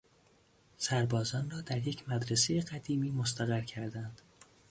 سربازان را در یک مدرسه قدیمی مستقر کردند.